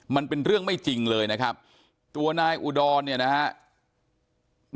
มันเป็นเรื่องไม่จริงเลยนะครับตัวนายอุดรเนี่ยนะครับ